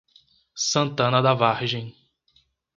Santana da Vargem